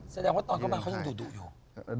แสดงว่าตอนเข้ามาเขายังดุอยู่